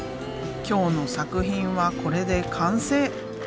今日の作品はこれで完成！